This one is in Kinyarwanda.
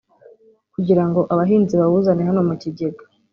kugira ngo abahinzi bawuzane hano mu kigega